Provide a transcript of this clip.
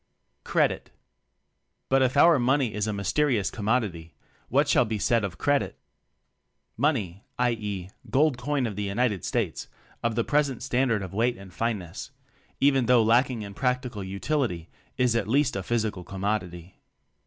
Credit. But if our money is a mysterious commodity, what shall be said of "Credit"? "Money" i.e., "gold coin of the United States of the present standard of weight and fineness" even though lacking in practical utility, is at least a physical commodity.